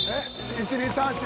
１２３４５。